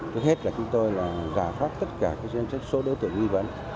thứ hết là chúng tôi là giả pháp tất cả các doanh chất số đối tượng nghi vấn